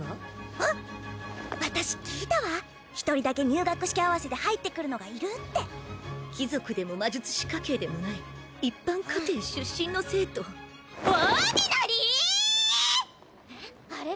あっ私聞いたわ一人だけ入学式合わせで入ってくるのがいるって貴族でも魔術師家系でもない一般家庭出身の生徒オーディナリー！？・えっあれが？